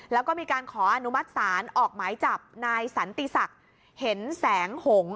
แล้วก็มีการขออนุมัติศาลออกหมายจับนายสันติศักดิ์เห็นแสงหง